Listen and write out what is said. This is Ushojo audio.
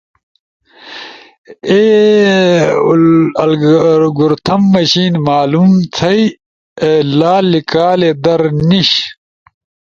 ای الگورتھم مشین معلوم تھئی ایلی لیکالی در نیِش۔